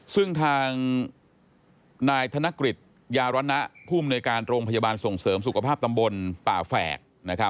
ซึ่งทางนายธนกฤษยารณะภูมิในการโรงพยาบาลส่งเสริมสุขภาพตำบลป่าแฝก